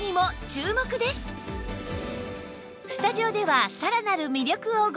スタジオではさらなる魅力をご紹介